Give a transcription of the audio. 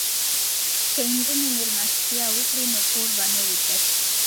که نجونې میلمستیا وکړي نو کور به نه وي تش.